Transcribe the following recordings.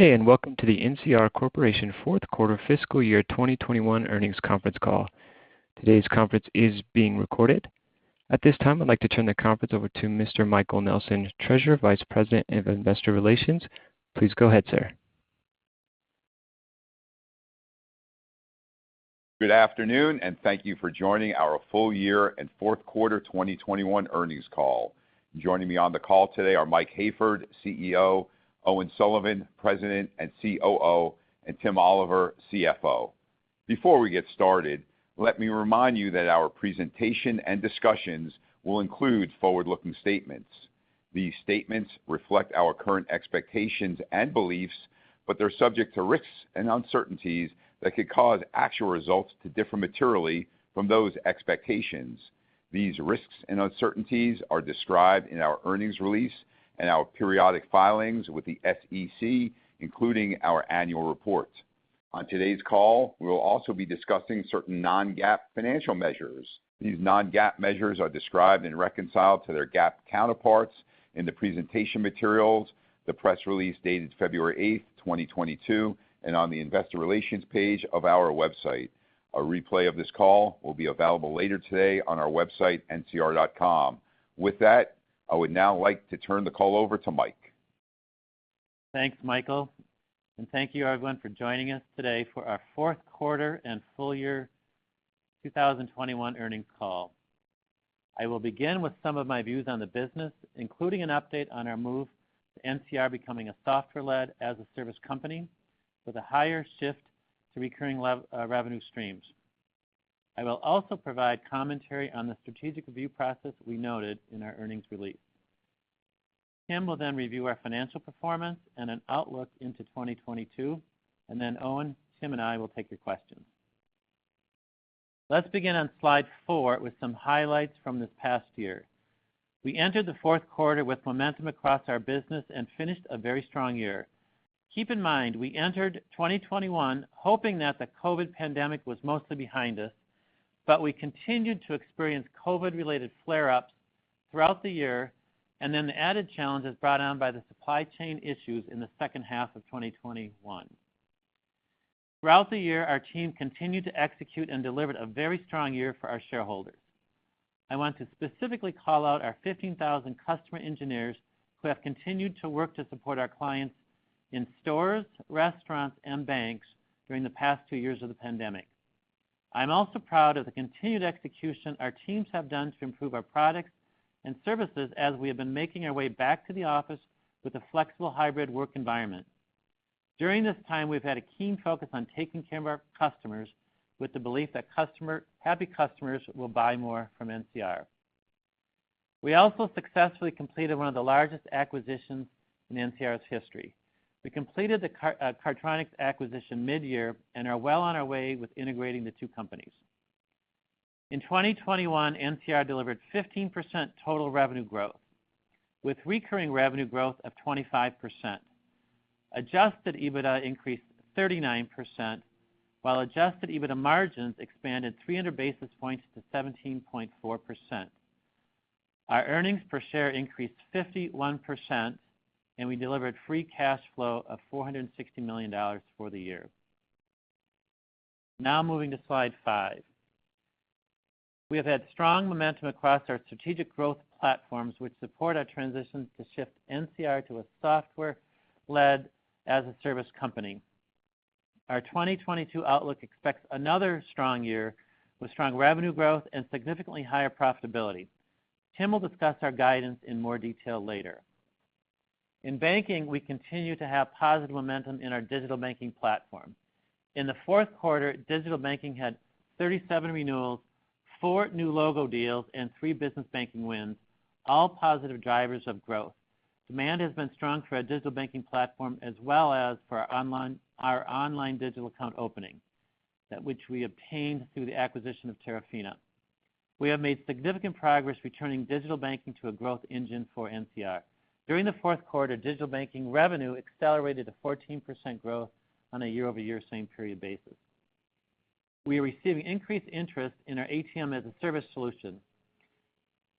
Good day, and welcome to the NCR Corporation Q4 fiscal year 2021 earnings conference call. Today's conference is being recorded. At this time, I'd like to turn the conference over to Mr. Michael Nelson, Treasurer, Vice President of Investor Relations. Please go ahead, sir. Good afternoon, and thank you for joining our full year and Q4 2021 earnings call. Joining me on the call today are Mike Hayford, CEO, Owen Sullivan, President and COO, and Tim Oliver, CFO. Before we get started, let me remind you that our presentation and discussions will include forward-looking statements. These statements reflect our current expectations and beliefs, but they're subject to risks and uncertainties that could cause actual results to differ materially from those expectations. These risks and uncertainties are described in our earnings release and our periodic filings with the SEC, including our annual report. On today's call, we will also be discussing certain non-GAAP financial measures. These non-GAAP measures are described and reconciled to their GAAP counterparts in the presentation materials, the press release dated February 8, 2022, and on the investor relations page of our website. A replay of this call will be available later today on our website, ncr.com. With that, I would now like to turn the call over to Mike. Thanks, Michael, and thank you everyone for joining us today for our Q4 and full year 2021 earnings call. I will begin with some of my views on the business, including an update on our move to NCR becoming a software-led, as a service company with a higher shift to recurring revenue streams. I will also provide commentary on the strategic review process we noted in our earnings release. Tim will then review our financial performance and an outlook into 2022, and then Owen, Tim and I will take your questions. Let's begin on slide 4 with some highlights from this past year. We entered the Q4 with momentum across our business and finished a very strong year. Keep in mind, we entered 2021 hoping that the COVID pandemic was mostly behind us, but we continued to experience COVID-related flare-ups throughout the year, and then the added challenges brought on by the supply chain issues in the second half of 2021. Throughout the year, our team continued to execute and delivered a very strong year for our shareholders. I want to specifically call out our 15,000 customer engineers who have continued to work to support our clients in stores, restaurants, and banks during the past two years of the pandemic. I'm also proud of the continued execution our teams have done to improve our products and services as we have been making our way back to the office with a flexible hybrid work environment. During this time, we've had a keen focus on taking care of our customers with the belief that happy customers will buy more from NCR. We also successfully completed one of the largest acquisitions in NCR's history. We completed the Cardtronics acquisition mid-year and are well on our way with integrating the two companies. In 2021, NCR delivered 15% total revenue growth, with recurring revenue growth of 25%. Adjusted EBITDA increased 39%, while adjusted EBITDA margins expanded 300 basis points to 17.4%. Our earnings per share increased 51%, and we delivered free cash flow of $460 million for the year. Now moving to slide 5. We have had strong momentum across our strategic growth platforms, which support our transition to shift NCR to a software-led as a service company. Our 2022 outlook expects another strong year with strong revenue growth and significantly higher profitability. Tim will discuss our guidance in more detail later. In banking, we continue to have positive momentum in our Digital Banking platform. In the Q4, Digital Banking had 37 renewals, 4 new logo deals, and 3 business banking wins, all positive drivers of growth. Demand has been strong for our Digital Banking platform as well as for our online digital account opening that we obtained through the acquisition of Terafina. We have made significant progress returning Digital Banking to a growth engine for NCR. During the Q4, Digital Banking revenue accelerated to 14% growth on a year-over-year same period basis. We are receiving increased interest in our ATM as a Service solution.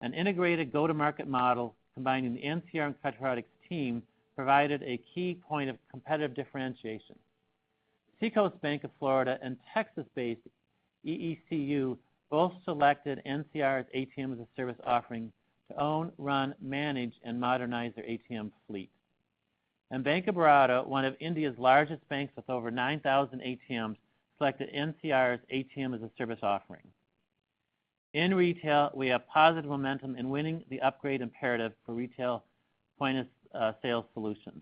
An integrated go-to-market model combining the NCR and Cardtronics team provided a key point of competitive differentiation. Seacoast Bank of Florida and Texas-based EECU both selected NCR's ATM as a Service offering to own, run, manage, and modernize their ATM fleet. Bank of Baroda, one of India's largest banks with over 9,000 ATMs, selected NCR's ATM as a Service offering. In retail, we have positive momentum in winning the upgrade imperative for retail point of sale solutions.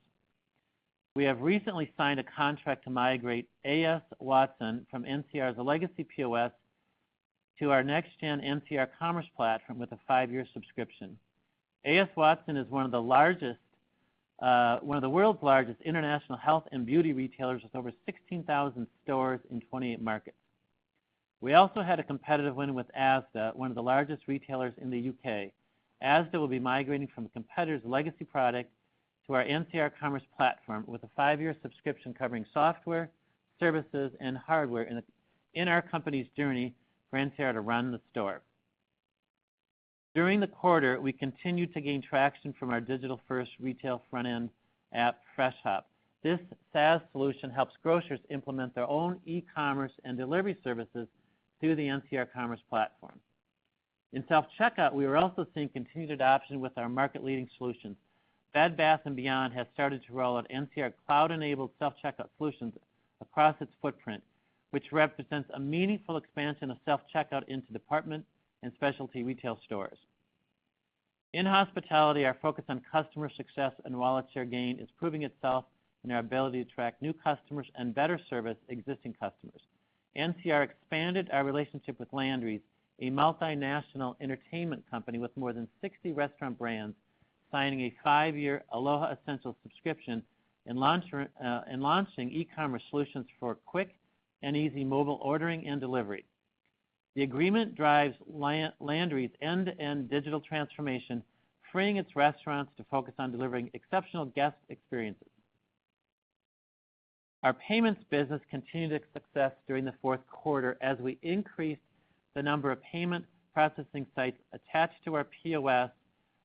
We have recently signed a contract to migrate A.S. Watson from NCR's legacy POS to our Next Gen NCR Commerce platform with a 5-year subscription. A.S. Watson is one of the largest, one of the world's largest international health and beauty retailers with over 16,000 stores in 28 markets. We also had a competitive win with Asda, one of the largest retailers in the U.K. Asda will be migrating from a competitor's legacy product to our NCR Commerce platform with a 5-year subscription covering software, services, and hardware in our company's journey for NCR to run the store. During the quarter, we continued to gain traction from our digital-first retail front-end app, Freshop. This SaaS solution helps grocers implement their own e-commerce and delivery services through the NCR Commerce platform. In self-checkout, we were also seeing continued adoption with our market-leading solutions. Bed Bath & Beyond has started to roll out NCR cloud-enabled self-checkout solutions across its footprint, which represents a meaningful expansion of self-checkout into department and specialty retail stores. In hospitality, our focus on customer success and wallet share gain is proving itself in our ability to attract new customers and better service existing customers. NCR expanded our relationship with Landry's, a multinational entertainment company with more than 60 restaurant brands, signing a five-year Aloha Essentials subscription and launching e-commerce solutions for quick and easy mobile ordering and delivery. The agreement drives Landry's end-to-end digital transformation, freeing its restaurants to focus on delivering exceptional guest experiences. Our payments business continued its success during the Q4 as we increased the number of payment processing sites attached to our POS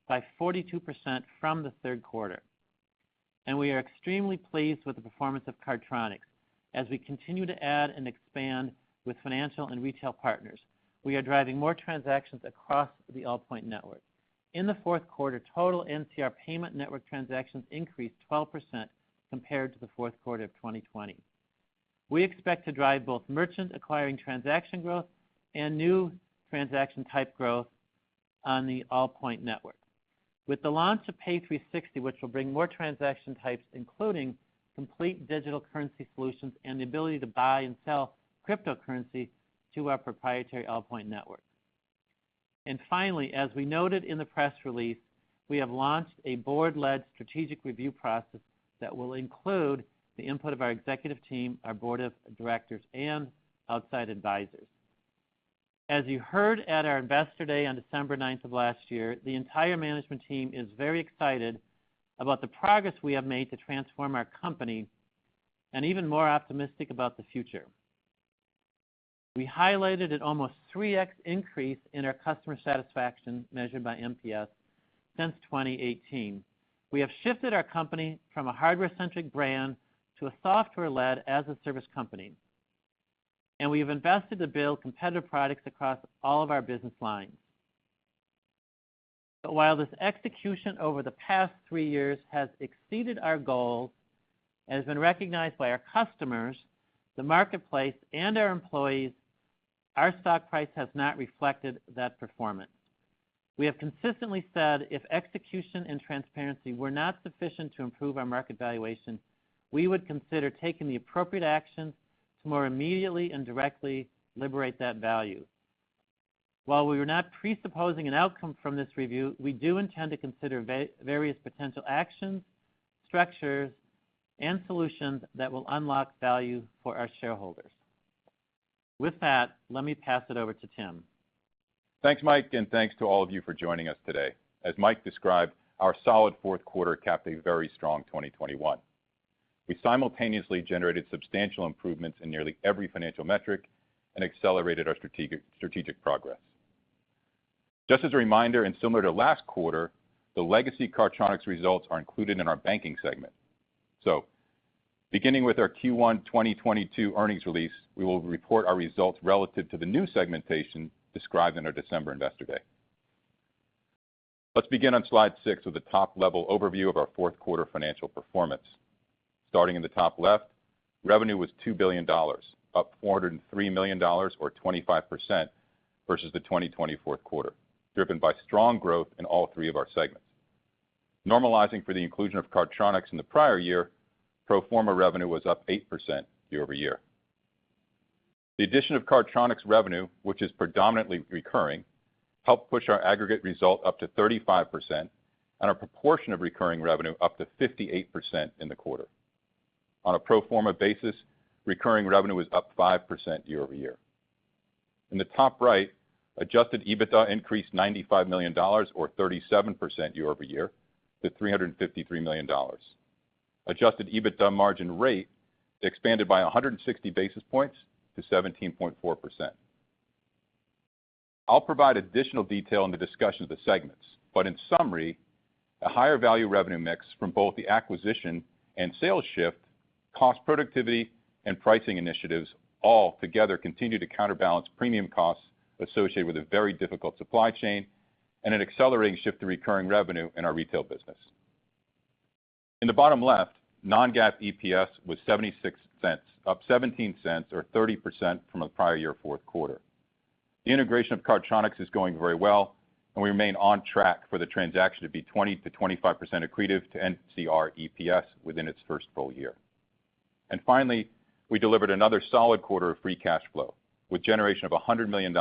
by 42% from the Q3, and we are extremely pleased with the performance of Cardtronics. As we continue to add and expand with financial and retail partners, we are driving more transactions across the Allpoint network. In the Q4, total NCR payment network transactions increased 12% compared to the Q4 of 2020. We expect to drive both merchant acquiring transaction growth and new transaction type growth on the Allpoint network with the launch of Pay360, which will bring more transaction types, including complete digital currency solutions and the ability to buy and sell cryptocurrency to our proprietary Allpoint network. Finally, as we noted in the press release, we have launched a board-led strategic review process that will include the input of our executive team, our board of directors, and outside advisors. As you heard at our Investor Day on December ninth of last year, the entire management team is very excited about the progress we have made to transform our company, and even more optimistic about the future. We highlighted an almost 3x increase in our customer satisfaction measured by NPS since 2018. We have shifted our company from a hardware-centric brand to a software-led, as-a-service company, and we have invested to build competitive products across all of our business lines. While this execution over the past three years has exceeded our goals and has been recognized by our customers, the marketplace, and our employees, our stock price has not reflected that performance. We have consistently said if execution and transparency were not sufficient to improve our market valuation, we would consider taking the appropriate actions to more immediately and directly liberate that value. While we were not presupposing an outcome from this review, we do intend to consider various potential actions, structures, and solutions that will unlock value for our shareholders. With that, let me pass it over to Tim. Thanks, Mike, and thanks to all of you for joining us today. As Mike described, our solid Q4 capped a very strong 2021. We simultaneously generated substantial improvements in nearly every financial metric and accelerated our strategic progress. Just as a reminder, and similar to last quarter, the legacy Cardtronics results are included in our banking segment. Beginning with our Q1 2022 earnings release, we will report our results relative to the new segmentation described in our December Investor Day. Let's begin on slide 6 with a top-level overview of our Q4 financial performance. Starting in the top left, revenue was $2 billion, up $403 million or 25% versus the 2020 Q4, driven by strong growth in all three of our segments. Normalizing for the inclusion of Cardtronics in the prior year, pro forma revenue was up 8% year-over-year. The addition of Cardtronics revenue, which is predominantly recurring, helped push our aggregate result up to 35% and our proportion of recurring revenue up to 58% in the quarter. On a pro forma basis, recurring revenue was up 5% year-over-year. In the top right, adjusted EBITDA increased $95 million or 37% year-over-year to $353 million. Adjusted EBITDA margin rate expanded by 160 basis points to 17.4%. I'll provide additional detail in the discussion of the segments, but in summary, a higher value revenue mix from both the acquisition and sales shift, cost productivity, and pricing initiatives all together continue to counterbalance premium costs associated with a very difficult supply chain and an accelerating shift to recurring revenue in our retail business. In the bottom left, non-GAAP EPS was $0.76, up $0.17 or 30% from the prior year Q4. The integration of Cardtronics is going very well, and we remain on track for the transaction to be 20%-25% accretive to NCR EPS within its first full year. Finally, we delivered another solid quarter of free cash flow with generation of $100 million.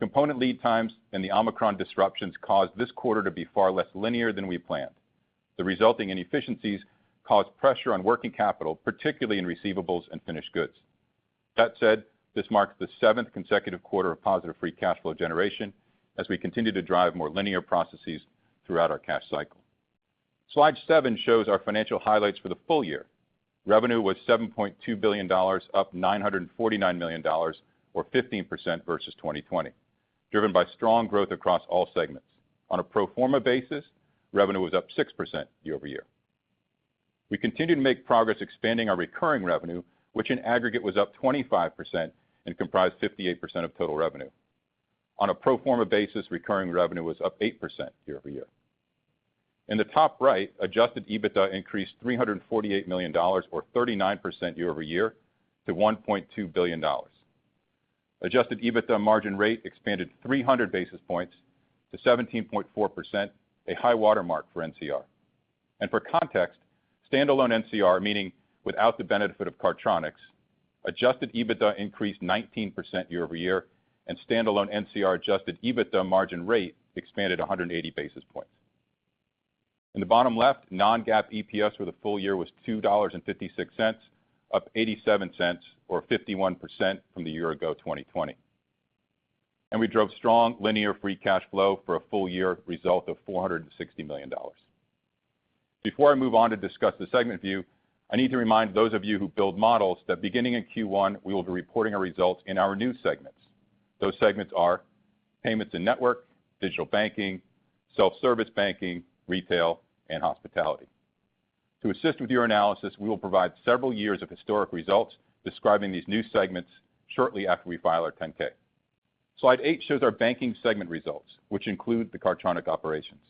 Component lead times and the Omicron disruptions caused this quarter to be far less linear than we planned. The resulting inefficiencies caused pressure on working capital, particularly in receivables and finished goods. That said, this marks the seventh consecutive quarter of positive free cash flow generation as we continue to drive more linear processes throughout our cash cycle. Slide seven shows our financial highlights for the full year. Revenue was $7.2 billion, up $949 million or 15% versus 2020, driven by strong growth across all segments. On a pro forma basis, revenue was up 6% year-over-year. We continued to make progress expanding our recurring revenue, which in aggregate was up 25% and comprised 58% of total revenue. On a pro forma basis, recurring revenue was up 8% year-over-year. In the top right, adjusted EBITDA increased $348 million or 39% year-over-year to $1.2 billion. Adjusted EBITDA margin rate expanded 300 basis points to 17.4%, a high-water mark for NCR. For context, standalone NCR, meaning without the benefit of Cardtronics, adjusted EBITDA increased 19% year-over-year, and standalone NCR adjusted EBITDA margin rate expanded 180 basis points. In the bottom left, non-GAAP EPS for the full year was $2.56, up $0.87 or 51% from the year ago, 2020. We drove strong levered free cash flow for a full year result of $460 million. Before I move on to discuss the segment view, I need to remind those of you who build models that beginning in Q1, we will be reporting our results in our new segments. Those segments are Payments and Network, Digital Banking, Self-Service Banking, Retail, and Hospitality. To assist with your analysis, we will provide several years of historic results describing these new segments shortly after we file our 10-K. Slide 8 shows our banking segment results, which include the Cardtronics operations.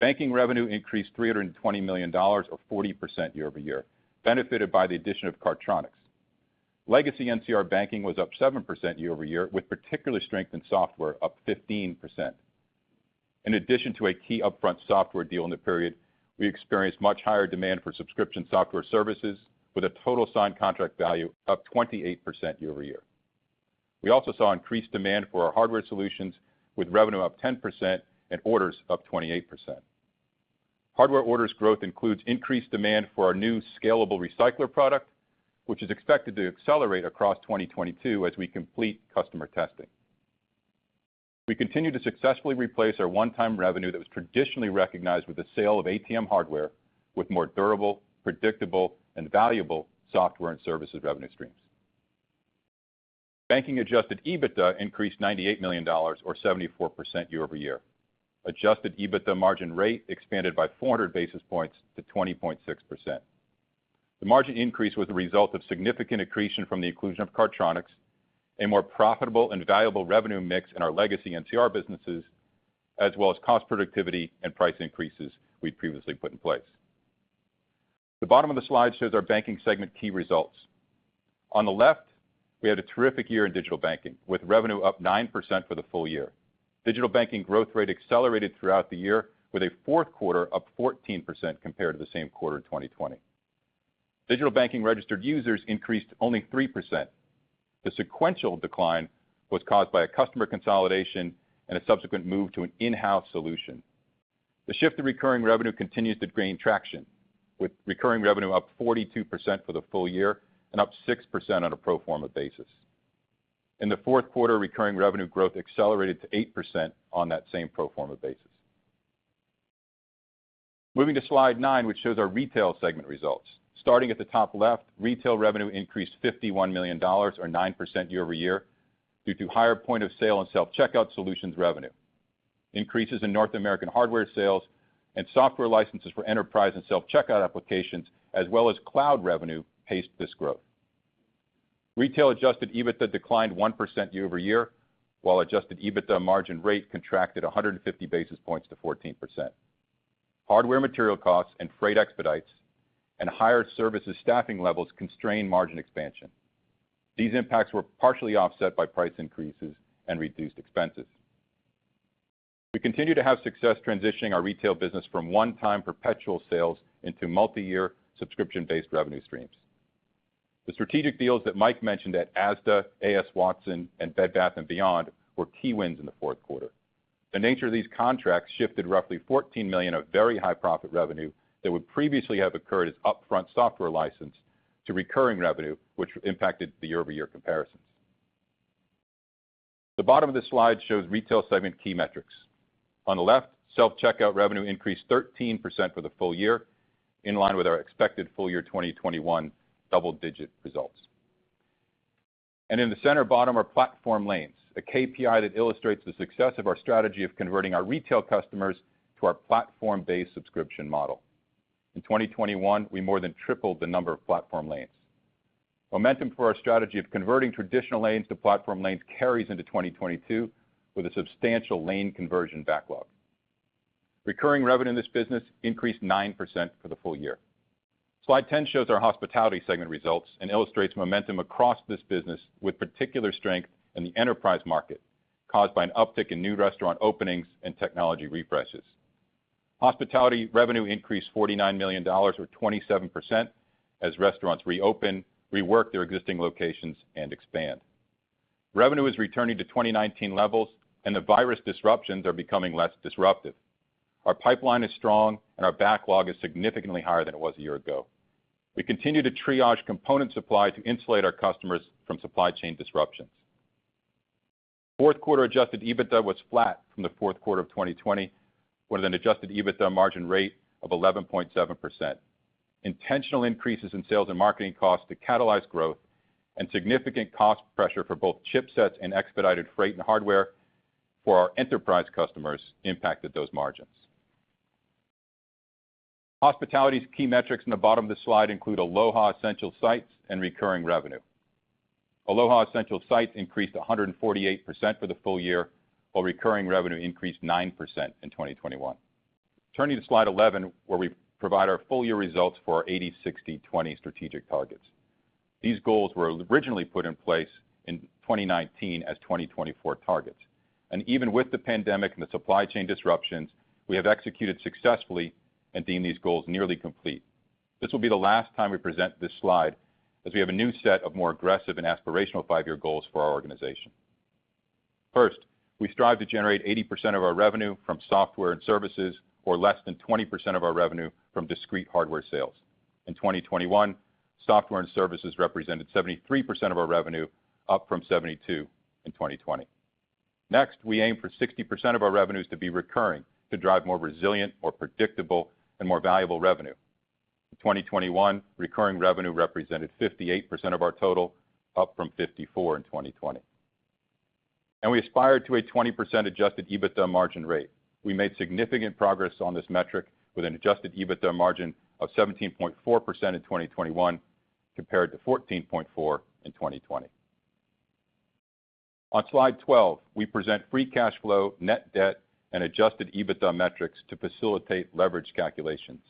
Banking revenue increased $320 million or 40% year-over-year, benefited by the addition of Cardtronics. Legacy NCR banking was up 7% year-over-year, with particular strength in software up 15%. In addition to a key upfront software deal in the period, we experienced much higher demand for subscription software services with a total signed contract value up 28% year-over-year. We also saw increased demand for our hardware solutions with revenue up 10% and orders up 28%. Hardware orders growth includes increased demand for our new Scalable Recycler product, which is expected to accelerate across 2022 as we complete customer testing. We continue to successfully replace our one-time revenue that was traditionally recognized with the sale of ATM hardware with more durable, predictable, and valuable software and services revenue streams. Banking Adjusted EBITDA increased $98 million or 74% year-over-year. Adjusted EBITDA margin rate expanded by 400 basis points to 20.6%. The margin increase was a result of significant accretion from the inclusion of Cardtronics, a more profitable and valuable revenue mix in our legacy NCR businesses, as well as cost productivity and price increases we previously put in place. The bottom of the slide shows our Banking segment key results. On the left, we had a terrific year in Digital Banking, with revenue up 9% for the full year. Digital Banking growth rate accelerated throughout the year with a Q4 up 14% compared to the same quarter in 2020. Digital Banking registered users increased only 3%. The sequential decline was caused by a customer consolidation and a subsequent move to an in-house solution. The shift to recurring revenue continues to gain traction, with recurring revenue up 42% for the full year and up 6% on a pro forma basis. In the Q4, recurring revenue growth accelerated to 8% on that same pro forma basis. Moving to slide 9, which shows our Retail segment results. Starting at the top left, Retail revenue increased $51 million or 9% year-over-year due to higher point of sale and self-checkout solutions revenue. Increases in North American hardware sales and software licenses for enterprise and self-checkout applications as well as cloud revenue paced this growth. Retail Adjusted EBITDA declined 1% year-over-year, while Adjusted EBITDA margin rate contracted 150 basis points to 14%. Hardware material costs and freight expedites and higher services staffing levels constrained margin expansion. These impacts were partially offset by price increases and reduced expenses. We continue to have success transitioning our Retail business from one-time perpetual sales into multi-year subscription-based revenue streams. The strategic deals that Mike mentioned at Asda, A.S. Watson, and Bed Bath & Beyond were key wins in the Q4. The nature of these contracts shifted roughly $14 million of very high-profit revenue that would previously have occurred as upfront software license to recurring revenue, which impacted the year-over-year comparisons. The bottom of this slide shows retail segment key metrics. On the left, self-checkout revenue increased 13% for the full year, in line with our expected full year 2021 double-digit results. In the center bottom are platform lanes, a KPI that illustrates the success of our strategy of converting our retail customers to our platform-based subscription model. In 2021, we more than tripled the number of platform lanes. Momentum for our strategy of converting traditional lanes to platform lanes carries into 2022 with a substantial lane conversion backlog. Recurring revenue in this business increased 9% for the full year. Slide 10 shows our hospitality segment results and illustrates momentum across this business with particular strength in the enterprise market caused by an uptick in new restaurant openings and technology refreshes. Hospitality revenue increased $49 million or 27% as restaurants reopen, rework their existing locations, and expand. Revenue is returning to 2019 levels, and the virus disruptions are becoming less disruptive. Our pipeline is strong, and our backlog is significantly higher than it was a year ago. We continue to triage component supply to insulate our customers from supply chain disruptions. Q4 Adjusted EBITDA was flat from the Q4 of 2020, with an Adjusted EBITDA margin rate of 11.7%. Intentional increases in sales and marketing costs to catalyze growth and significant cost pressure for both chipsets and expedited freight and hardware for our enterprise customers impacted those margins. Hospitality's key metrics in the bottom of the slide include Aloha Essential Sites and recurring revenue. Aloha Essential Sites increased 148% for the full year, while recurring revenue increased 9% in 2021. Turning to slide 11, where we provide our full year results for our 80/60/20 strategic targets. These goals were originally put in place in 2019 as 2024 targets, and even with the pandemic and the supply chain disruptions, we have executed successfully and deemed these goals nearly complete. This will be the last time we present this slide as we have a new set of more aggressive and aspirational five-year goals for our organization. First, we strive to generate 80% of our revenue from software and services, or less than 20% of our revenue from discrete hardware sales. In 2021, software and services represented 73% of our revenue, up from 72% in 2020. Next, we aim for 60% of our revenues to be recurring to drive more resilient, more predictable, and more valuable revenue. In 2021, recurring revenue represented 58% of our total, up from 54% in 2020. We aspire to a 20% Adjusted EBITDA margin rate. We made significant progress on this metric with an Adjusted EBITDA margin of 17.4% in 2021 compared to 14.4% in 2020. On slide 12, we present free cash flow, net debt, and Adjusted EBITDA metrics to facilitate leverage calculations.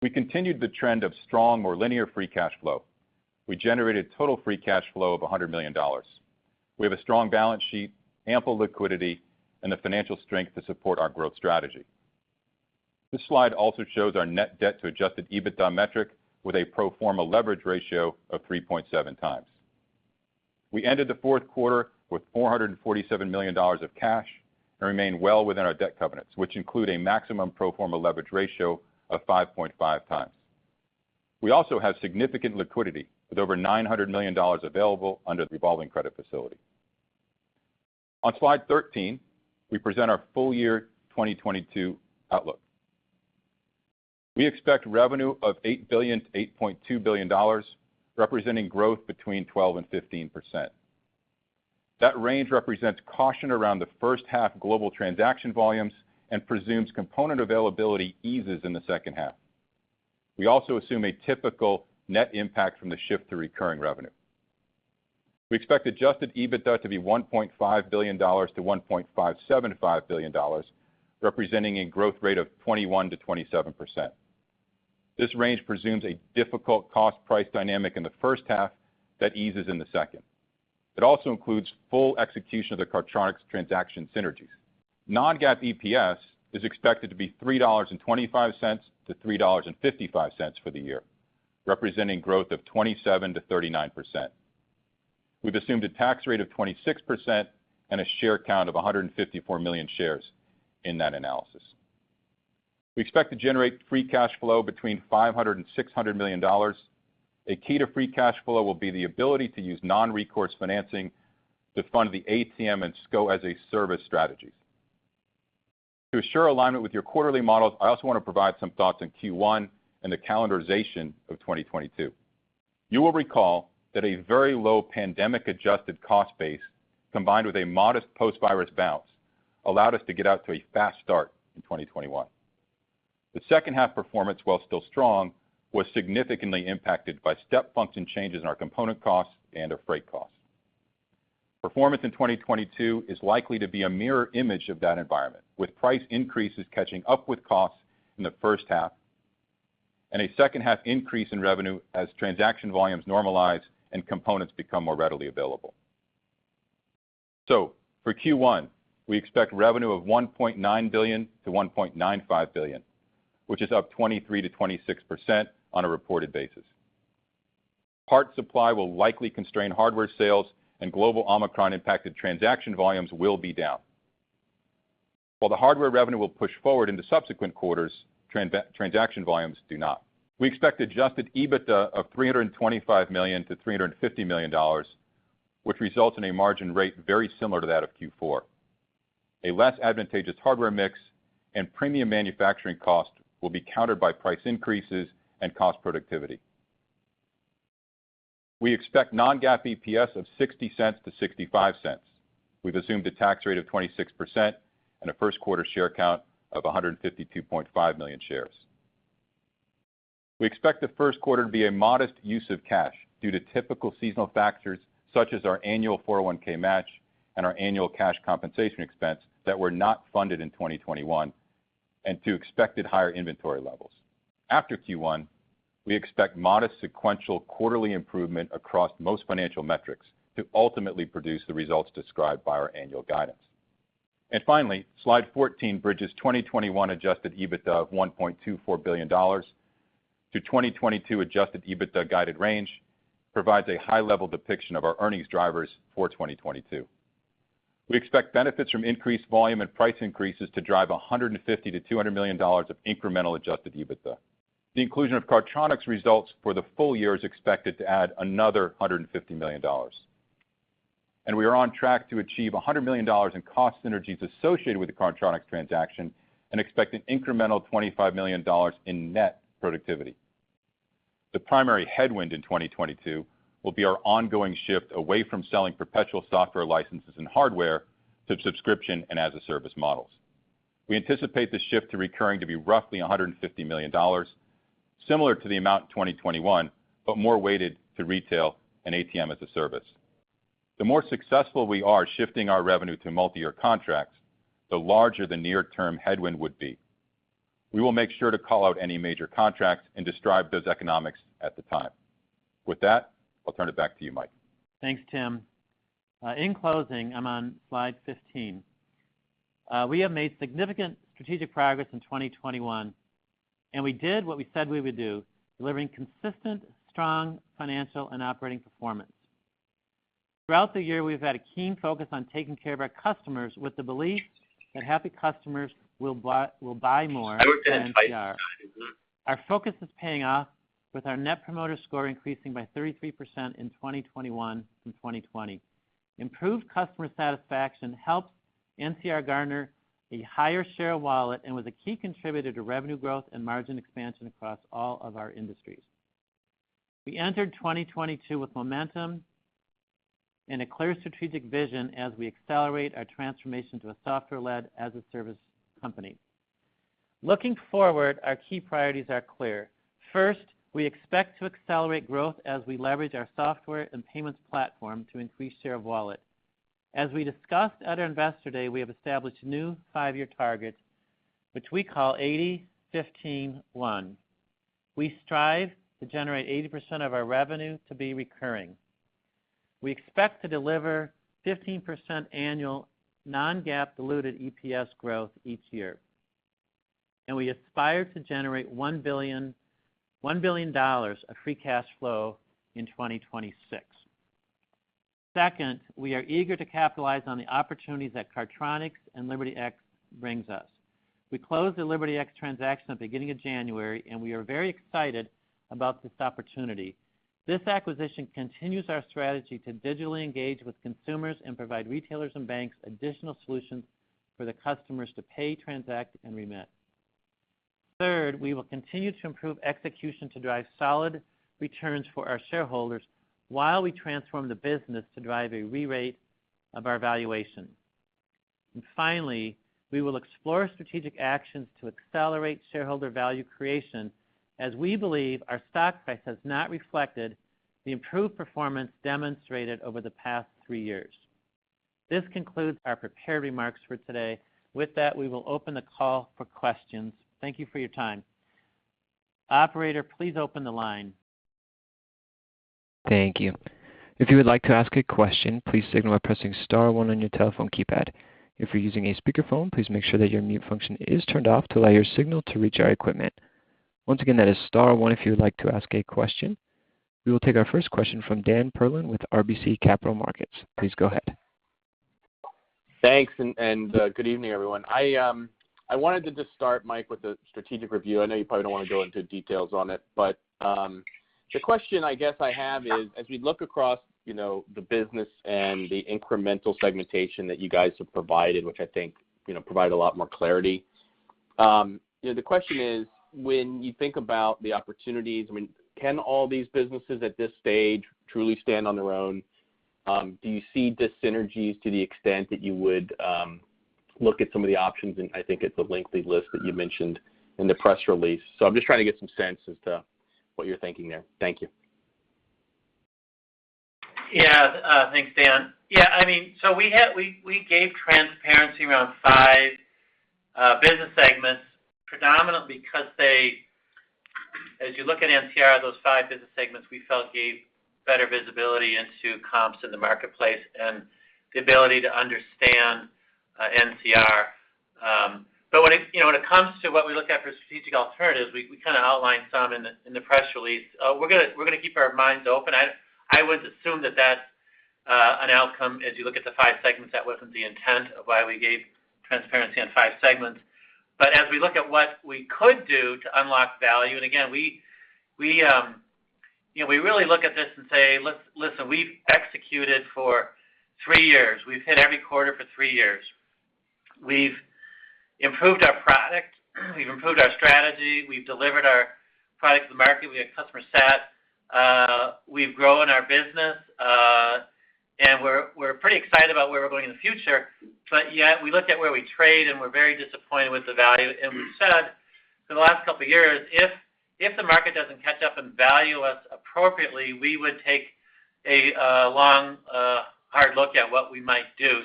We continued the trend of strong or linear free cash flow. We generated total free cash flow of $100 million. We have a strong balance sheet, ample liquidity, and the financial strength to support our growth strategy. This slide also shows our net debt to Adjusted EBITDA metric with a pro forma leverage ratio of 3.7x. We ended the Q4 with $447 million of cash and remain well within our debt covenants, which include a maximum pro forma leverage ratio of 5.5x. We also have significant liquidity with over $900 million available under the revolving credit facility. On slide 13, we present our full year 2022 outlook. We expect revenue of $8 billion-$8.2 billion, representing growth between 12%-15%. That range represents caution around the first half global transaction volumes and presumes component availability eases in the second half. We also assume a typical net impact from the shift to recurring revenue. We expect Adjusted EBITDA to be $1.5 billion-$1.575 billion, representing a growth rate of 21%-27%. This range presumes a difficult cost price dynamic in the first half that eases in the second. It also includes full execution of the Cardtronics transaction synergies. Non-GAAP EPS is expected to be $3.25-$3.55 for the year, representing growth of 27%-39%. We've assumed a tax rate of 26% and a share count of 154 million shares in that analysis. We expect to generate free cash flow between $500 million and $600 million. A key to free cash flow will be the ability to use non-recourse financing to fund the ATM and SCO as a Service strategies. To assure alignment with your quarterly models, I also want to provide some thoughts on Q1 and the calendarization of 2022. You will recall that a very low pandemic-adjusted cost base, combined with a modest post-virus bounce, allowed us to get out to a fast start in 2021. The second half performance, while still strong, was significantly impacted by step function changes in our component costs and our freight costs. Performance in 2022 is likely to be a mirror image of that environment, with price increases catching up with costs in the first half and a second half increase in revenue as transaction volumes normalize and components become more readily available. For Q1, we expect revenue of $1.9 billion-$1.95 billion, which is up 23%-26% on a reported basis. Part supply will likely constrain hardware sales and global Omicron-impacted transaction volumes will be down. While the hardware revenue will push forward into subsequent quarters, transaction volumes do not. We expect adjusted EBITDA of $325 million-$350 million, which results in a margin rate very similar to that of Q4. A less advantageous hardware mix and premium manufacturing cost will be countered by price increases and cost productivity. We expect non-GAAP EPS of $0.60-$0.65. We've assumed a tax rate of 26% and a Q1 share count of 152.5 million shares. We expect the Q1 to be a modest use of cash due to typical seasonal factors such as our annual 401(k) match and our annual cash compensation expense that were not funded in 2021 and to expected higher inventory levels. After Q1, we expect modest sequential quarterly improvement across most financial metrics to ultimately produce the results described by our annual guidance. Finally, slide 14 bridges 2021 Adjusted EBITDA of $1.24 billion to 2022 Adjusted EBITDA guided range, provides a high-level depiction of our earnings drivers for 2022. We expect benefits from increased volume and price increases to drive $150 million-$200 million of incremental Adjusted EBITDA. The inclusion of Cardtronics results for the full year is expected to add another $150 million. We are on track to achieve $100 million in cost synergies associated with the Cardtronics transaction and expect an incremental $25 million in net productivity. The primary headwind in 2022 will be our ongoing shift away from selling perpetual software licenses and hardware to subscription and as-a-service models. We anticipate the shift to recurring to be roughly $150 million, similar to the amount in 2021, but more weighted to retail and ATM as a Service. The more successful we are shifting our revenue to multiyear contracts, the larger the near-term headwind would be. We will make sure to call out any major contracts and describe those economics at the time. With that, I'll turn it back to you, Mike. Thanks, Tim. In closing, I'm on slide 15. We have made significant strategic progress in 2021, and we did what we said we would do, delivering consistent, strong financial and operating performance. Throughout the year, we've had a keen focus on taking care of our customers with the belief that happy customers will buy more than NCR. Our focus is paying off with our Net Promoter Score increasing by 33% in 2021 from 2020. Improved customer satisfaction helped NCR garner a higher share of wallet and was a key contributor to revenue growth and margin expansion across all of our industries. We entered 2022 with momentum and a clear strategic vision as we accelerate our transformation to a software-led, as-a-service company. Looking forward, our key priorities are clear. First, we expect to accelerate growth as we leverage our software and payments platform to increase share of wallet. As we discussed at our Investor Day, we have established new five-year targets, which we call 80/15/1. We strive to generate 80% of our revenue to be recurring. We expect to deliver 15% annual non-GAAP diluted EPS growth each year. We aspire to generate $1 billion of free cash flow in 2026. Second, we are eager to capitalize on the opportunities that Cardtronics and LibertyX brings us. We closed the LibertyX transaction at the beginning of January, and we are very excited about this opportunity. This acquisition continues our strategy to digitally engage with consumers and provide retailers and banks additional solutions for the customers to pay, transact, and remit. Third, we will continue to improve execution to drive solid returns for our shareholders while we transform the business to drive a re-rate of our valuation. Finally, we will explore strategic actions to accelerate shareholder value creation as we believe our stock price has not reflected the improved performance demonstrated over the past three years. This concludes our prepared remarks for today. With that, we will open the call for questions. Thank you for your time. Operator, please open the line. Thank you. If you would like to ask a question, please signal by pressing star one on your telephone keypad. If you're using a speakerphone, please make sure that your mute function is turned off to allow your signal to reach our equipment. Once again, that is star one if you would like to ask a question. We will take our first question from Dan Perlin with RBC Capital Markets. Please go ahead. Thanks and good evening, everyone. I wanted to just start, Mike, with the strategic review. I know you probably don't want to go into details on it, but the question I guess I have is as we look across, you know, the business and the incremental segmentation that you guys have provided, which I think, you know, provide a lot more clarity, you know, the question is, when you think about the opportunities, I mean, can all these businesses at this stage truly stand on their own? Do you see the synergies to the extent that you would look at some of the options, and I think it's a lengthy list that you mentioned in the press release. I'm just trying to get some sense as to what you're thinking there. Thank you. Yeah. Thanks, Dan. Yeah, I mean, so we gave transparency around five business segments, predominantly because as you look at NCR, those five business segments we felt gave better visibility into comps in the marketplace and the ability to understand NCR. But when it, you know, when it comes to what we look at for strategic alternatives, we kind of outlined some in the press release. We're gonna keep our minds open. I would assume that that's an outcome as you look at the five segments. That wasn't the intent of why we gave transparency on five segments. But as we look at what we could do to unlock value, and again, you know, we really look at this and say, "Listen, we've executed for three years. We've hit every quarter for three years. We've improved our product. We've improved our strategy. We've delivered our product to the market. We have customer sat. We've grown our business, and we're pretty excited about where we're going in the future, but yet we look at where we trade, and we're very disappointed with the value. We said for the last couple of years, if the market doesn't catch up and value us appropriately, we would take a long, hard look at what we might do.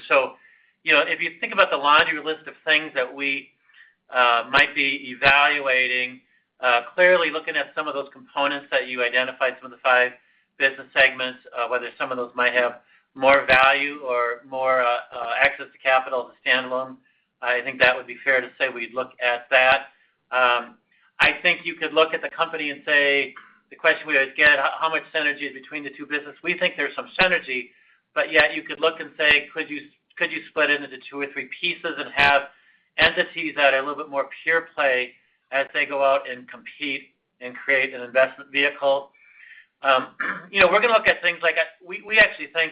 You know, if you think about the laundry list of things that we might be evaluating, clearly looking at some of those components that you identified, some of the five business segments, whether some of those might have more value or more access to capital as a standalone, I think that would be fair to say we'd look at that. I think you could look at the company and say. The question we always get, how much synergy is between the two businesses? We think there's some synergy, but yet you could look and say, could you split it into two or three pieces and have entities that are a little bit more pure play as they go out and compete and create an investment vehicle? You know, we're gonna look at things like that. We actually think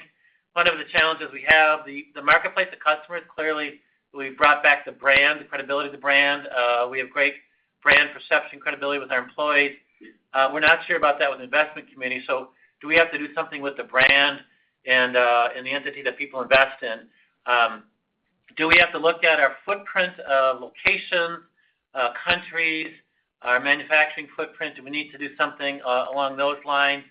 one of the challenges we have, the marketplace, the customers, clearly we've brought back the brand, the credibility of the brand. We have great brand perception credibility with our employees. We're not sure about that with investment committee, so do we have to do something with the brand and the entity that people invest in? Do we have to look at our footprint, location, countries, our manufacturing footprint? Do we need to do something along those lines?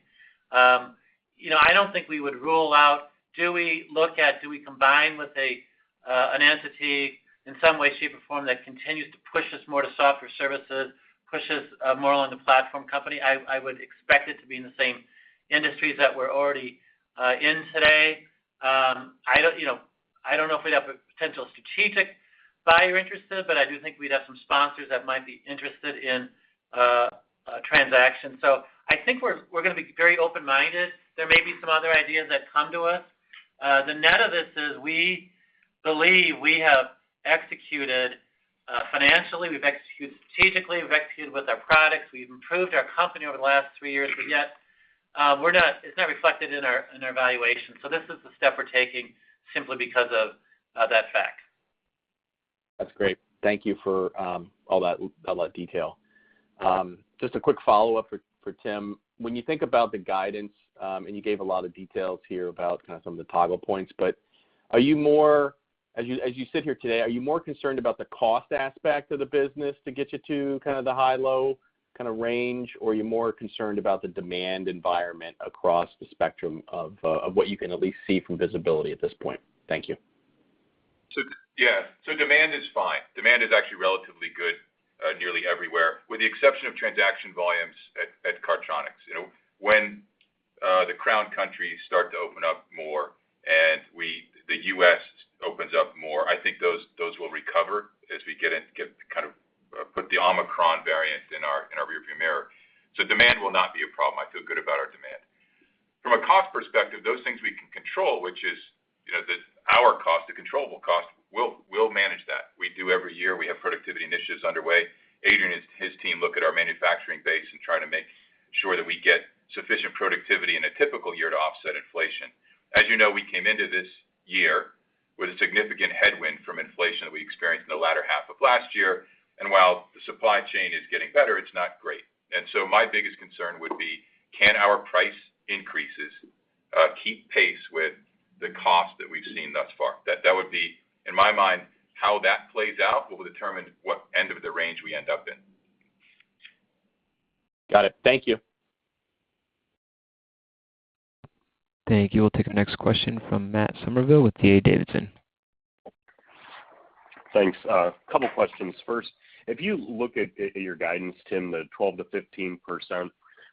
You know, I don't think we would rule out, do we look at, do we combine with an entity in some way, shape, or form that continues to push us more to software services, pushes more along the platform company? I would expect it to be in the same industries that we're already in today. I don't, you know, I don't know if we'd have a potential strategic buyer interested, but I do think we'd have some sponsors that might be interested in a transaction. I think we're gonna be very open-minded. There may be some other ideas that come to us. The net of this is we believe we have executed financially, we've executed strategically, we've executed with our products, we've improved our company over the last three years, but yet, it's not reflected in our valuation, so this is the step we're taking simply because of that fact. That's great. Thank you for all that detail. Just a quick follow-up for Tim. When you think about the guidance, and you gave a lot of details here about kinda some of the toggle points, but as you sit here today, are you more concerned about the cost aspect of the business to get you to kinda the high-low kinda range, or are you more concerned about the demand environment across the spectrum of what you can at least see from visibility at this point? Thank you. Yeah. Demand is fine. Demand is actually relatively good nearly everywhere, with the exception of transaction volumes at Cardtronics. You know, when the Cardtronics countries start to open up more and the US opens up more, I think those will recover as we get kind of put the Omicron variant in our rearview mirror. Demand will not be a problem. I feel good about our demand. From a cost perspective, those things we can control, which is, you know, our cost, the controllable cost, we'll manage that. We do every year. We have productivity initiatives underway. Adrian, his team look at our manufacturing base and try to make sure that we get sufficient productivity in a typical year to offset inflation. As you know, we came into this year with a significant headwind from inflation that we experienced in the latter half of last year, and while the supply chain is getting better, it's not great. My biggest concern would be can our price increases keep pace with the cost that we've seen thus far? That would be, in my mind, how that plays out will determine what end of the range we end up in. Got it. Thank you. Thank you. We'll take our next question from Matt Summerville with D.A. Davidson. Thanks. Couple questions. First, if you look at your guidance, Tim, the 12%-15%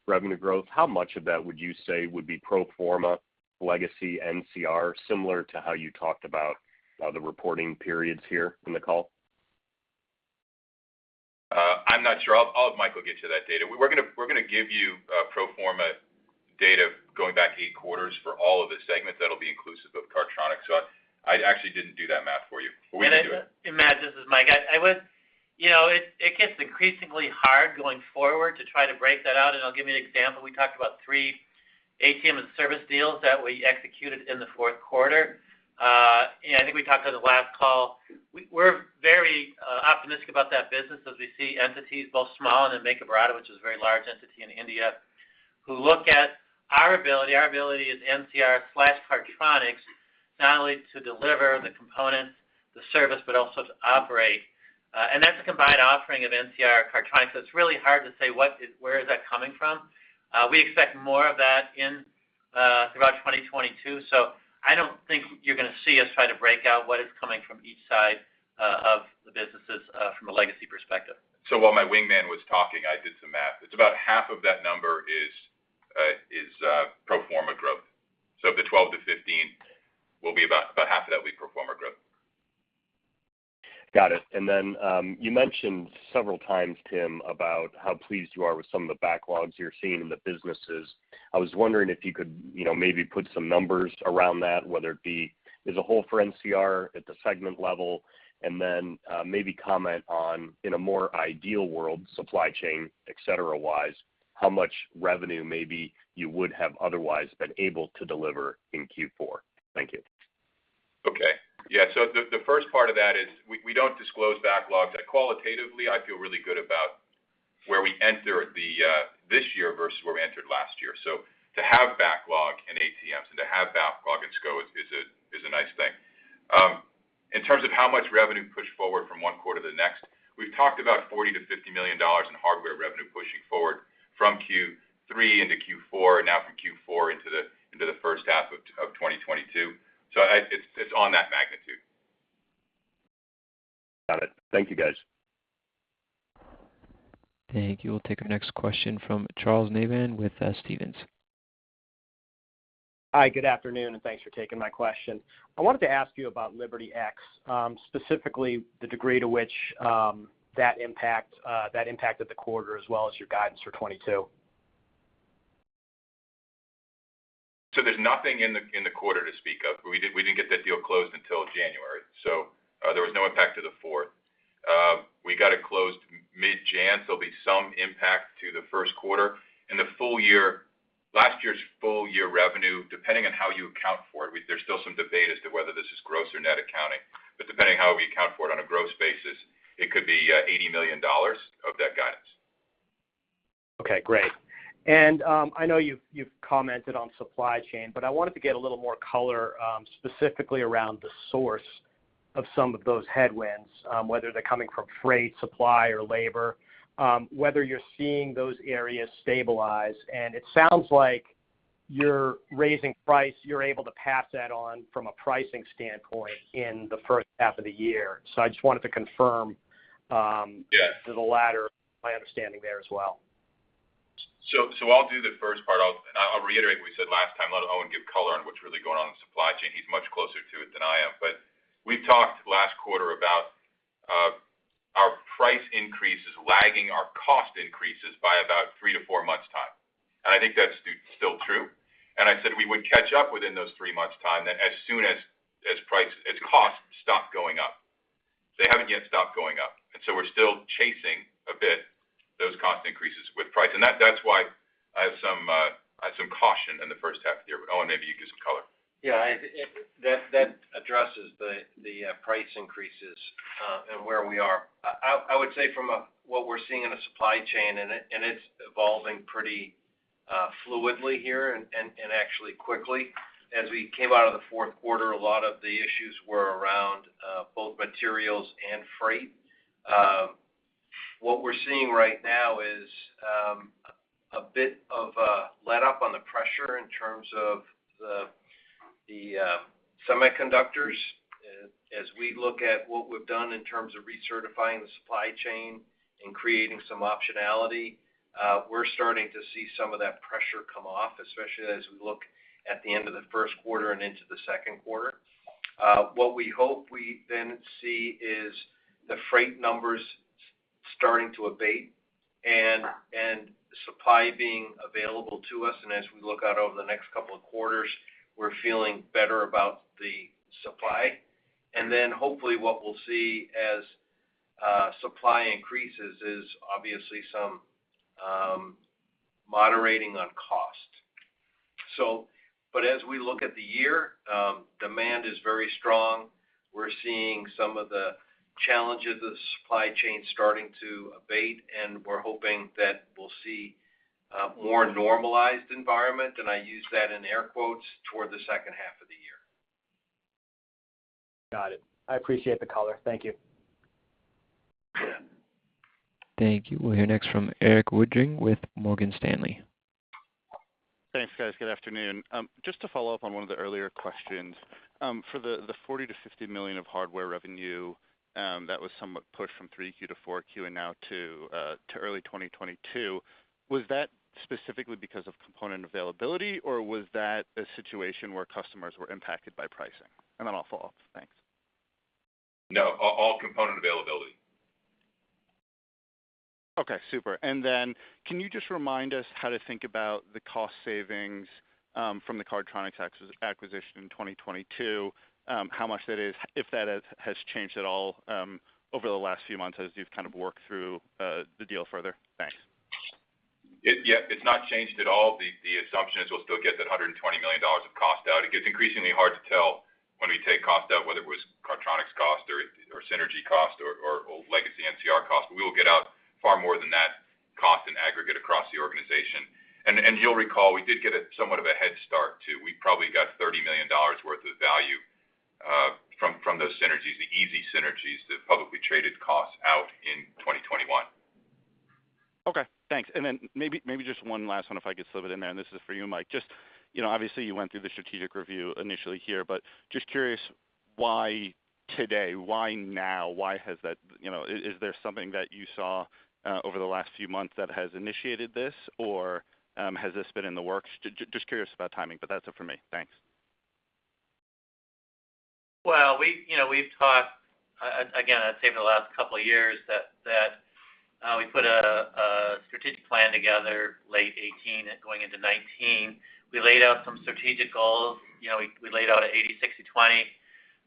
revenue growth, how much of that would you say would be pro forma legacy NCR, similar to how you talked about the reporting periods here in the call? I'm not sure. I'll have Michael get you that data. We're gonna give you pro forma data going back 8 quarters for all of the segments. That'll be inclusive of Cardtronics. I actually didn't do that math for you, but we can do it. Matt, this is Mike. I would you know, it gets increasingly hard going forward to try to break that out, and I'll give you an example. We talked about 3 ATM and service deals that we executed in the Q4. I think we talked on the last call, we're very optimistic about that business as we see entities both small and in Bank of Baroda, which is a very large entity in India, who look at our ability as NCR/Cardtronics, not only to deliver the components, the service, but also to operate. That's a combined offering of NCR and Cardtronics, so it's really hard to say where that is coming from. We expect more of that throughout 2022, so I don't think you're gonna see us try to break out what is coming from each side of the businesses from a legacy perspective. While my wingman was talking, I did some math. It's about half of that number is pro forma growth. Of the 12-15 will be about half of that will be pro forma growth. Got it. You mentioned several times, Tim, about how pleased you are with some of the backlogs you're seeing in the businesses. I was wondering if you could, you know, maybe put some numbers around that, whether it be as a whole for NCR at the segment level, and then maybe comment on, in a more ideal world, supply chain, et cetera-wise, how much revenue maybe you would have otherwise been able to deliver in Q4. Thank you. Okay. Yeah. The first part of that is we don't disclose backlogs. Qualitatively, I feel really good about where we enter this year versus where we entered last year. To have backlog in ATMs and to have backlog in SCO is a nice thing. In terms of how much revenue pushed forward from one quarter to the next, we've talked about $40 million-$50 million in hardware revenue pushing forward from Q3 into Q4, and now from Q4 into the first half of 2022. It's on that magnitude. Got it. Thank you, guys. Thank you. We'll take our next question from Charles Nabhan with Stephens. Hi, good afternoon, and thanks for taking my question. I wanted to ask you about LibertyX, specifically the degree to which that impacted the quarter as well as your guidance for 2022. There's nothing in the quarter to speak of. We didn't get that deal closed until January, there was no impact to the fourth. We got it closed mid-Jan, there'll be some impact to the Q1. In the full year, last year's full year revenue, depending on how you account for it, there's still some debate as to whether this is gross or net accounting. Depending on how we account for it on a gross basis, it could be $80 million of that guidance. Okay, great. I know you've commented on supply chain, but I wanted to get a little more color specifically around the source of some of those headwinds, whether they're coming from freight, supply or labor, whether you're seeing those areas stabilize. It sounds like you're raising price, you're able to pass that on from a pricing standpoint in the first half of the year. I just wanted to confirm. Yes the latter, my understanding there as well. I'll do the first part. I'll reiterate what we said last time. I'll let Owen give color on what's really going on in supply chain. He's much closer to it than I am. We talked last quarter about our price increases lagging our cost increases by about 3-4 months' time. I think that's still true. I said we would catch up within those 3 months' time, that as soon as costs stop going up. They haven't yet stopped going up, and we're still chasing those cost increases with price. That's why I have some caution in the first half of the year. Owen, maybe you can give some color. Yeah, that addresses the price increases and where we are. I would say from what we're seeing in the supply chain, and it's evolving pretty fluidly here and actually quickly. As we came out of the Q4, a lot of the issues were around both materials and freight. What we're seeing right now is a bit of a letup on the pressure in terms of the semiconductors. As we look at what we've done in terms of recertifying the supply chain and creating some optionality, we're starting to see some of that pressure come off, especially as we look at the end of the Q1 and into the Q2. What we hope we then see is the freight numbers starting to abate and supply being available to us. As we look out over the next couple of quarters, we're feeling better about the supply. Hopefully what we'll see as supply increases is obviously some moderating on cost. As we look at the year, demand is very strong. We're seeing some of the challenges of the supply chain starting to abate, and we're hoping that we'll see a more normalized environment, and I use that in air quotes, toward the second half of the year. Got it. I appreciate the color. Thank you. Thank you. We'll hear next from Erik Woodring with Morgan Stanley. Thanks, guys. Good afternoon. Just to follow up on one of the earlier questions, for the $40 million-$50 million of hardware revenue, that was somewhat pushed from 3Q to 4Q and now to early 2022, was that specifically because of component availability, or was that a situation where customers were impacted by pricing? I'll follow up. Thanks. No, all component availability. Okay, super. Can you just remind us how to think about the cost savings from the Cardtronics acquisition in 2022, how much that is, if that has changed at all over the last few months as you've kind of worked through the deal further? Thanks. Yeah, it's not changed at all. The assumption is we'll still get that $120 million of cost out. It gets increasingly hard to tell when we take cost out, whether it was Cardtronics cost or synergy cost or legacy NCR cost. But we will get out far more than that cost in aggregate across the organization. You'll recall, we did get somewhat of a head start, too. We probably got $30 million worth of value from those synergies, the easy synergies, the publicly traded costs out in 2021. Okay, thanks. Maybe just one last one if I could slip it in there, and this is for you, Mike. Just, you know, obviously you went through the strategic review initially here, but just curious why today? Why now? Why has that? You know, is there something that you saw over the last few months that has initiated this, or, has this been in the works? Just curious about timing, but that's it for me. Thanks. We've talked again, I'd say over the last couple of years that we put a strategic plan together late 2018 going into 2019. We laid out some strategic goals. You know, we laid out a 80/60/20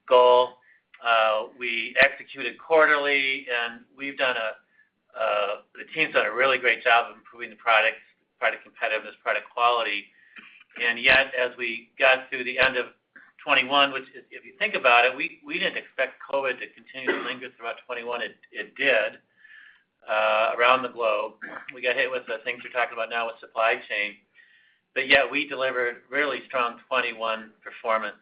goal. We executed quarterly, and the team's done a really great job of improving the product competitiveness, product quality. Yet, as we got through the end of 2021, which if you think about it, we didn't expect COVID to continue to linger throughout 2021. It did around the globe. We got hit with the things we're talking about now with supply chain. Yet, we delivered really strong 2021 performance.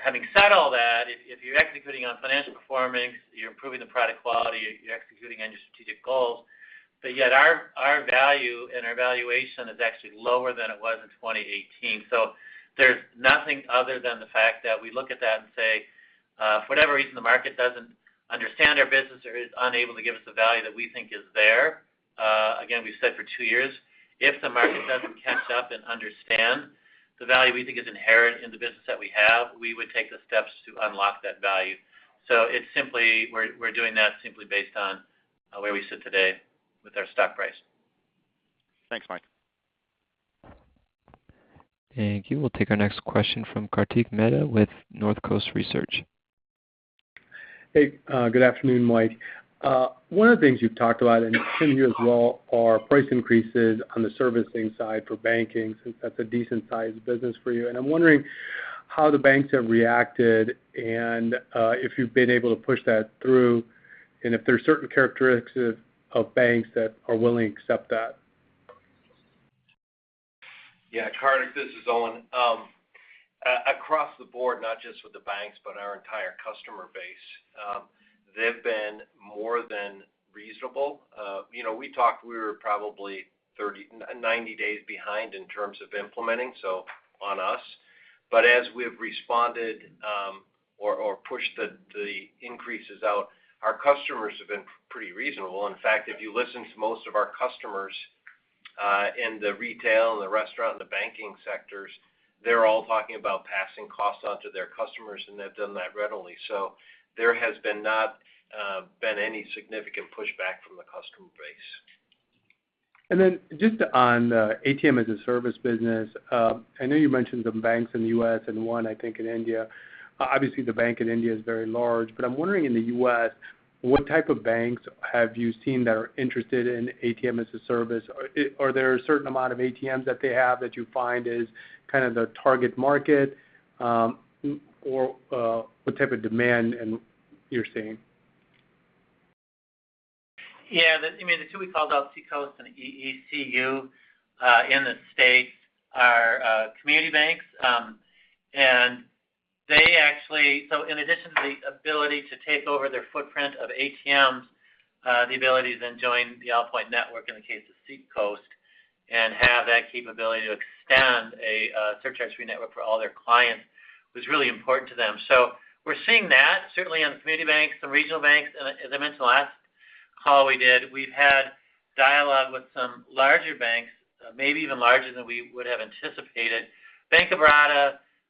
Having said all that, if you're executing on financial performance, you're improving the product quality, you're executing on your strategic goals, but yet our value and our valuation is actually lower than it was in 2018. There's nothing other than the fact that we look at that and say, for whatever reason, the market doesn't understand our business or is unable to give us the value that we think is there. Again, we've said for two years, if the market doesn't catch up and understand the value we think is inherent in the business that we have, we would take the steps to unlock that value. It's simply we're doing that simply based on where we sit today with our stock price. Thanks, Mike. Thank you. We'll take our next question from Kartik Mehta with Northcoast Research. Hey, good afternoon, Mike. One of the things you've talked about, and Tim, you as well, are price increases on the servicing side for banking since that's a decent sized business for you. I'm wondering how the banks have reacted and, if you've been able to push that through, and if there are certain characteristics of banks that are willing to accept that? Yeah. Kartik, this is Owen. Across the board, not just with the banks, but our entire customer base, they've been more than reasonable. You know, we talked, we were probably 30-90 days behind in terms of implementing, so on us. As we have responded, or pushed the increases out, our customers have been pretty reasonable. In fact, if you listen to most of our customers, in the retail and the restaurant and the banking sectors, they're all talking about passing costs on to their customers, and they've done that readily. There has not been any significant pushback from the customer base. Just on the ATM as a Service business, I know you mentioned some banks in the U.S. and one, I think, in India. Obviously, the bank in India is very large, but I'm wondering in the U.S., what type of banks have you seen that are interested in ATM as a Service? Are there a certain amount of ATMs that they have that you find is kind of the target market, or what type of demand you're seeing? Yeah. I mean, the two we called out, Seacoast and EECU, in the States are community banks. In addition to the ability to take over their footprint of ATMs, the ability to then join the Allpoint network in the case of Seacoast and have that capability to extend a surcharge-free ATM network for all their clients was really important to them. We're seeing that certainly on community banks, some regional banks. As I mentioned the last call we did, we've had dialogue with some larger banks, maybe even larger than we would have anticipated. Bank of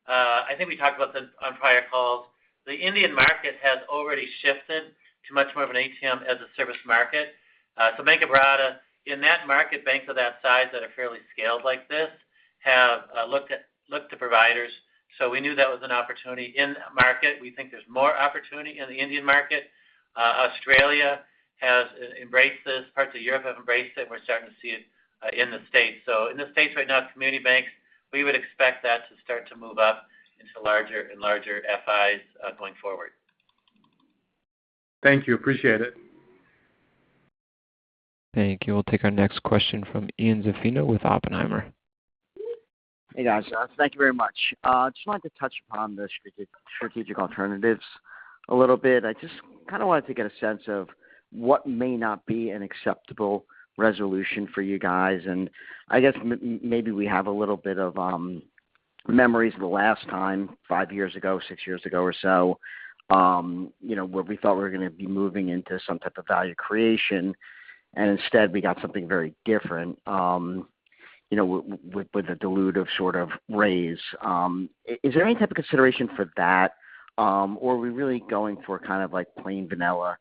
Baroda, I think we talked about this on prior calls. The Indian market has already shifted to much more of an ATM as a Service market. Bank of Baroda in that market, banks of that size that are fairly scaled like this have looked to providers. We knew that was an opportunity in that market. We think there's more opportunity in the Indian market. Australia has embraced this. Parts of Europe have embraced it. We're starting to see it in the States. In the States right now, it's community banks. We would expect that to start to move up into larger and larger FIs going forward. Thank you. Appreciate it. Thank you. We'll take our next question from Ian Zaffino with Oppenheimer. Hey, guys. Thank you very much. Just wanted to touch upon the strategic alternatives a little bit. I just kinda wanted to get a sense of what may not be an acceptable resolution for you guys. I guess maybe we have a little bit of memories of the last time, 5 years ago, 6 years ago or so, where we thought we were gonna be moving into some type of value creation, and instead we got something very different, with the dilutive sort of raise. Is there any type of consideration for that, or are we really going for kind of like plain vanilla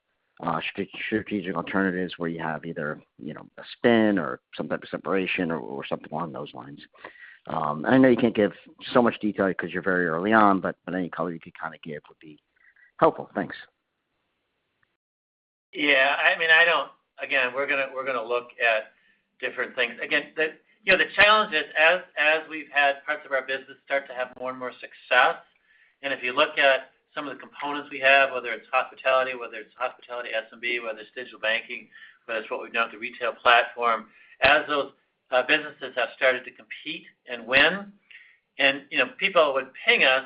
strategic alternatives where you have either a spin or some type of separation or something along those lines? I know you can't give so much detail because you're very early on, but any color you could kind of give would be helpful. Thanks. Again, we're gonna look at different things. Again, you know, the challenge is as we've had parts of our business start to have more and more success, and if you look at some of the components we have, whether it's hospitality, whether it's hospitality SMB, whether it's Digital Banking, whether it's what we've done with the retail platform, as those businesses have started to compete and win, and, you know, people would ping us.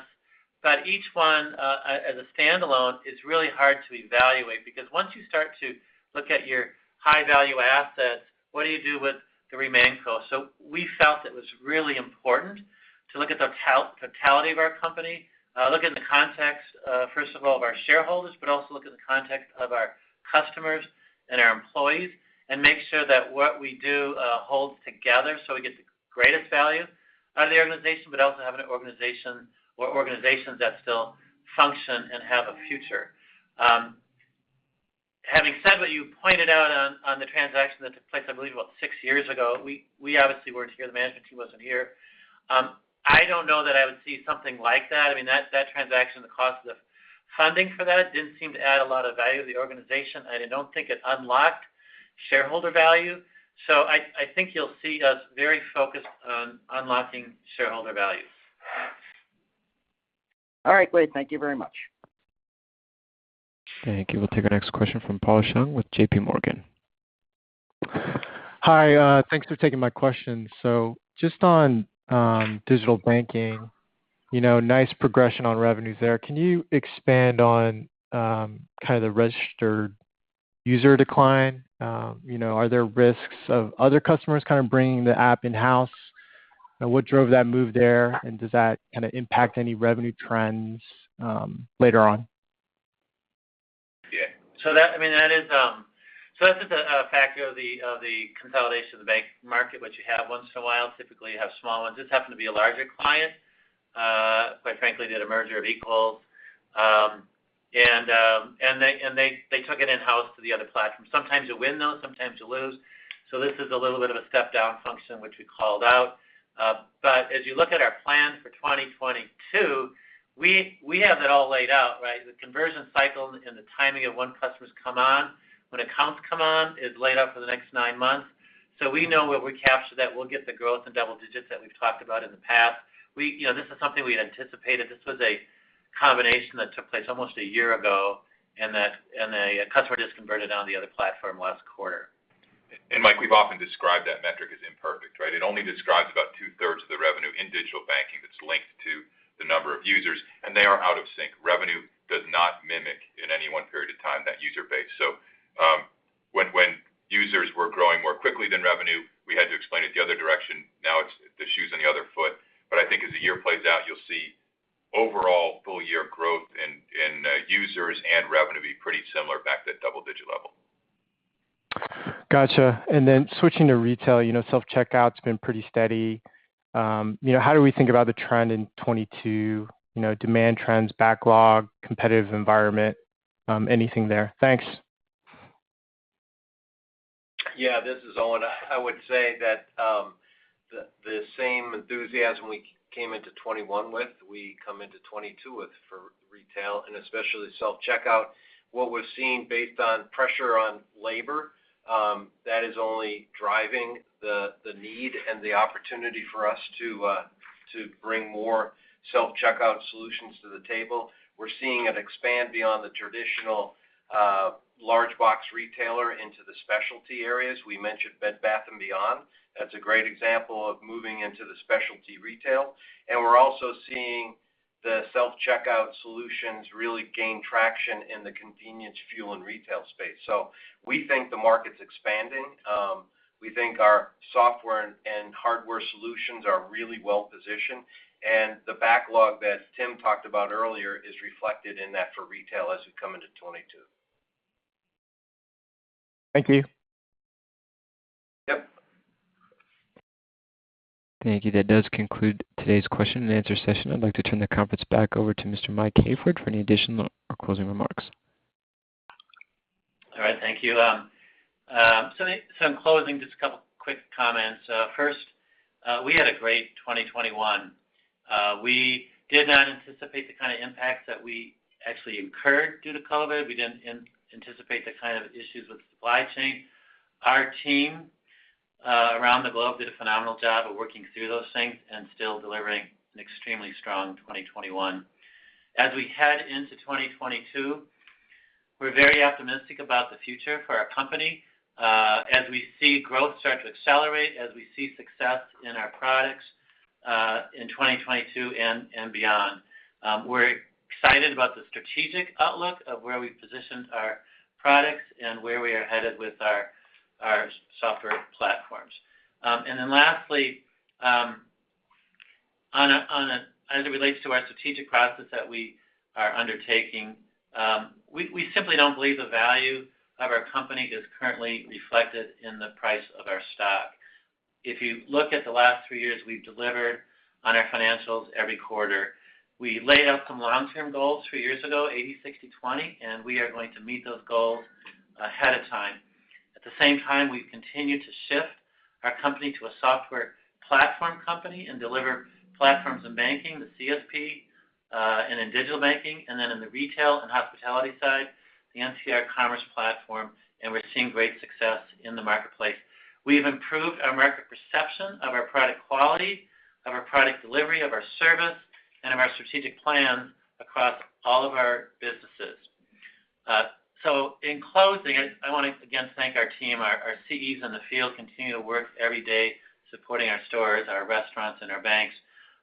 Each one, as a standalone is really hard to evaluate because once you start to look at your high-value assets, what do you do with the remaining cost? We felt it was really important to look at the totality of our company, look in the context, first of all of our shareholders, but also look at the context of our customers and our employees and make sure that what we do, holds together so we get the greatest value out of the organization, but also have an organization or organizations that still function and have a future. Having said what you pointed out on the transaction that took place, I believe about six years ago, we obviously weren't here, the management team wasn't here. I don't know that I would see something like that. I mean, that transaction, the cost of funding for that didn't seem to add a lot of value to the organization. I don't think it unlocked shareholder value. I think you'll see us very focused on unlocking shareholder value. All right, great. Thank you very much. Thank you. We'll take our next question from Paul Chung with JPMorgan. Hi. Thanks for taking my question. Just on, Digital Banking, you know, nice progression on revenues there. Can you expand on, kind of the registered user decline? You know, are there risks of other customers kind of bringing the app in-house? What drove that move there? Does that kinda impact any revenue trends later on? That is, I mean, that is just a factor of the consolidation of the bank market, which you have once in a while. Typically, you have small ones. This happened to be a larger client, quite frankly, did a merger of equals. They took it in-house to the other platform. Sometimes you win those, sometimes you lose. This is a little bit of a step-down function, which we called out. As you look at our plan for 2022, we have it all laid out, right? The conversion cycle and the timing of when customers come on, when accounts come on is laid out for the next nine months. We know when we capture that, we'll get the growth in double digits that we've talked about in the past. We You know, this is something we had anticipated. This was a combination that took place almost a year ago, and the customer just converted onto the other platform last quarter. Mike, we've often described that metric as imperfect, right? It only describes about two-thirds of the revenue in Digital Banking that's linked to the number of users, and they are out of sync. Revenue does not mimic in any one period of time that user base. When users were growing more quickly than revenue, we had to explain it the other direction. Now, it's the shoe's on the other foot. I think as the year plays out, you'll see overall full-year growth in users and revenue be pretty similar back to that double-digit level. Gotcha. Switching to retail, you know, self-checkout's been pretty steady. You know, how do we think about the trend in 2022, you know, demand trends, backlog, competitive environment, anything there? Thanks. Yeah. This is Owen. I would say that the same enthusiasm we came into 2021 with, we come into 2022 with for retail and especially self-checkout. What we're seeing based on pressure on labor, that is only driving the need and the opportunity for us to bring more self-checkout solutions to the table. We're seeing it expand beyond the traditional large box retailer into the specialty areas. We mentioned Bed Bath & Beyond. That's a great example of moving into the specialty retail. We're also seeing the self-checkout solutions really gain traction in the convenience fuel and retail space. We think the market's expanding. We think our software and hardware solutions are really well-positioned, and the backlog that Tim talked about earlier is reflected in that for retail as we come into 2022. Thank you. Thank you. That does conclude today's question and answer session. I'd like to turn the conference back over to Mr. Mike Hayford for any additional or closing remarks. All right. Thank you. In closing, just a couple quick comments. First, we had a great 2021. We did not anticipate the kind of impact that we actually incurred due to COVID. We didn't anticipate the kind of issues with supply chain. Our team around the globe did a phenomenal job of working through those things and still delivering an extremely strong 2021. As we head into 2022, we're very optimistic about the future for our company, as we see growth start to accelerate, as we see success in our products, in 2022 and beyond. We're excited about the strategic outlook of where we've positioned our products and where we are headed with our software platforms. Lastly, as it relates to our strategic process that we are undertaking, we simply don't believe the value of our company is currently reflected in the price of our stock. If you look at the last 3 years, we've delivered on our financials every quarter. We laid out some long-term goals 3 years ago, 80/60/20, and we are going to meet those goals ahead of time. At the same time, we've continued to shift our company to a software platform company and deliver platforms in banking, the CSP, and in digital banking, and then in the retail and hospitality side, the NCR Commerce platform, and we're seeing great success in the marketplace. We've improved our market perception of our product quality, of our product delivery, of our service, and of our strategic plans across all of our businesses. In closing, I wanna again thank our team. Our CEs in the field continue to work every day supporting our stores, our restaurants, and our banks.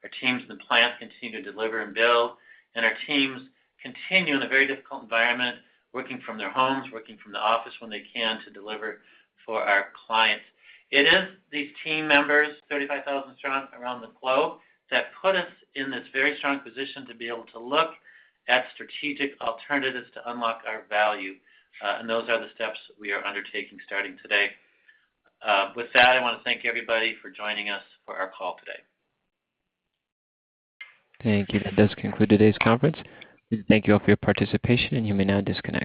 Our teams in the plant continue to deliver and build, and our teams continue in a very difficult environment, working from their homes, working from the office when they can to deliver for our clients. It is these team members, 35,000 strong around the globe, that put us in this very strong position to be able to look at strategic alternatives to unlock our value, and those are the steps we are undertaking starting today. With that, I wanna thank everybody for joining us for our call today. Thank you. That does conclude today's conference. We thank you all for your participation, and you may now disconnect.